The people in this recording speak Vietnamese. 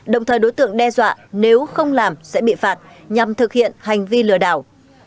đồng thời đối tượng đe dọa nếu không làm sẽ bị phạt nhằm thực hiện hành vi lừa đảo